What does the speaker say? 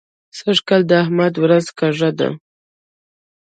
سږ کال د احمد ورځ کږه ده.